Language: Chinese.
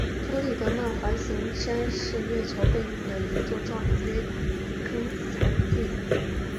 弗里德曼环形山是月球背面的一座撞击坑残迹。